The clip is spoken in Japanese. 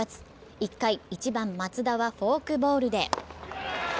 １回、１番・松田はフォークボールで。